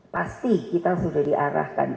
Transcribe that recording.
pasti kita sudah diarahkan